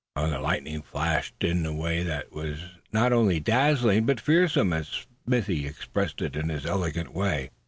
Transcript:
The lightning flashed in a way that was not only dazzling but "fearsome" as Smithy expressed it, in his elegant way.